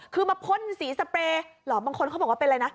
คือมาพ่นสีสเปรย์เหรอบางคนเขาบอกว่าเป็นอะไรนะ